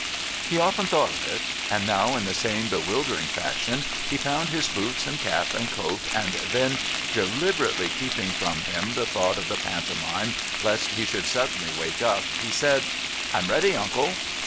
He often thought of it. And now in the same bewildering fashion he found his boots and cap and coat and then, deliberately keeping from him the thought of the Pantomime lest he should suddenly wake up, he said: "I'm ready, Uncle."